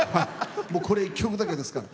これ１曲だけですから。